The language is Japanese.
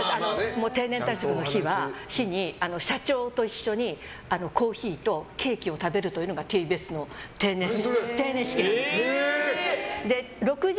定年退職の日に社長と一緒にコーヒーとケーキを食べるというのがＴＢＳの定年式なんですよ。